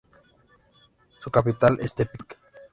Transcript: Su capital es Tepic.